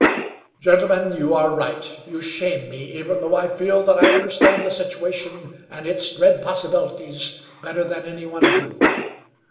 "Gentlemen, you are right; you shame me, even though I feel that I understand the situation and its dread possibilities better than any one of you.